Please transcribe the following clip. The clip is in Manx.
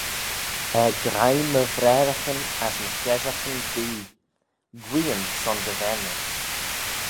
Er graih my vraaraghyn as my heshaghyn dooie: guee-ym son dty vaynrys.